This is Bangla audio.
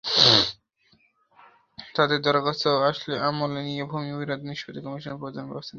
তাঁদের দরখাস্ত আমলে নিয়ে ভূমি বিরোধ নিষ্পত্তি কমিশন প্রয়োজনীয় ব্যবস্থা নেবে।